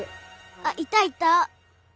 あっいたいた！